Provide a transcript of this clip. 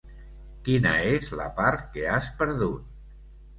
Quina és la part que has perdut?